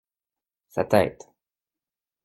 Sa tête.